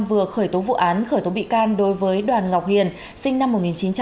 vừa khởi tố vụ án khởi tố bị can đối với đoàn ngọc hiền sinh năm một nghìn chín trăm tám mươi